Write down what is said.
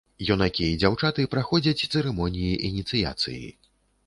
Юнакі і дзяўчаты праходзяць цырымоніі ініцыяцыі.